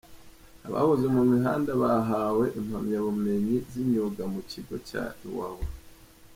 Abahoze mu mihanda bahawe impamyabumenyi z’imyuga Mucyiko Cya Iwawa